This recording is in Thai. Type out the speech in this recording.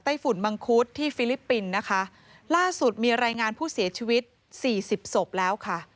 ฝุ่นมังคุดที่ฟิลิปปินส์นะคะล่าสุดมีรายงานผู้เสียชีวิตสี่สิบศพแล้วค่ะ